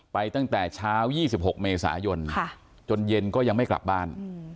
ตั้งแต่เช้า๒๖เมษายนจนเย็นก็ยังไม่กลับบ้าน